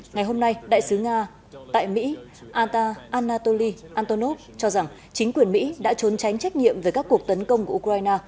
ngày hôm nay đại sứ nga tại mỹ anatoly antonov cho rằng chính quyền mỹ đã trốn tránh trách nhiệm về các cuộc tấn công của ukraine